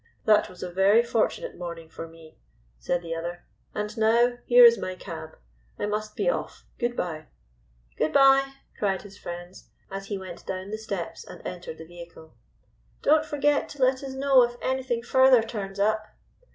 "That was a very fortunate morning for me," said the other. "And now here is my cab. I must be off. Good bye." "Good bye," cried his friends, as he went down the steps and entered the vehicle. "Don't forget to let us know if anything further turns up."